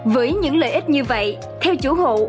với những lợi ích như vậy theo chủ hộ